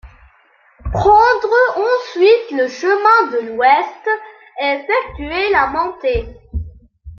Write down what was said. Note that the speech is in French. Prendre ensuite le chemin de l'ouest et effectuer la montée.